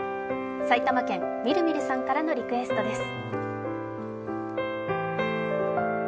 埼玉県・みるみるさんからのリクエストです。